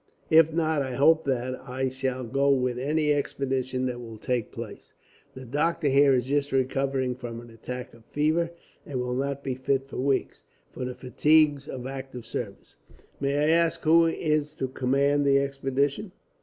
If not, I hope that I shall go with any expedition that will take place. The doctor here is just recovering from an attack of fever and will not be fit, for weeks, for the fatigues of active service. "May I ask who is to command the expedition?"